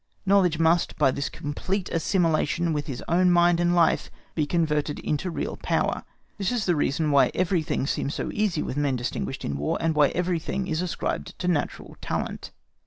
Knowledge must, by this complete assimilation with his own mind and life, be converted into real power. This is the reason why everything seems so easy with men distinguished in War, and why everything is ascribed to natural talent.